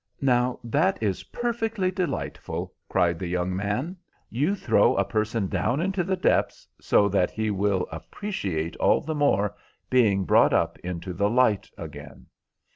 "Now, that is perfectly delightful," cried the young man. "You throw a person down into the depths, so that he will appreciate all the more being brought up into the light again."